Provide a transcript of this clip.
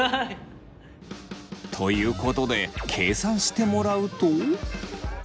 ということで計算してもらうと。